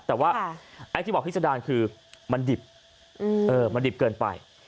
แต่ว่าไอ้ที่บอกพิษดารคือมันดิบมันดิบเกินไป